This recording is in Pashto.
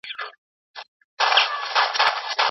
ایا د سرپل ولایت د انګشت ښار د ډبرو سکرو په اړه پوهېږې؟